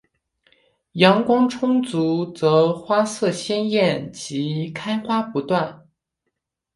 阳光充足则花色鲜艳及开花不断。